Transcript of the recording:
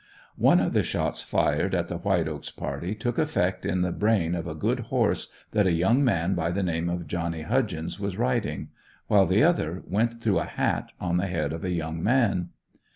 One of the shots fired at the White Oaks party took effect in the brain of a good horse that a young man by the name of Johnny Hudgens was riding, while the other, went through a hat, on the head of a young man.